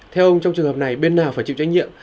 theo ông trong trường hợp này bên nào phải chịu trách nhiệm